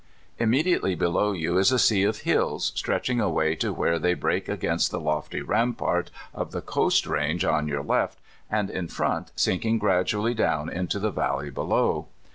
Immediately below yoi (127) 128 The Blue Lakes. is a sea of hills, stretching away to where they break against the lofty rampart of the coast range on your left, and in front sinking gradually down mto the valley below.